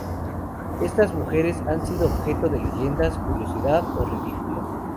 Estas mujeres han sido objeto de leyendas, curiosidad o ridículo.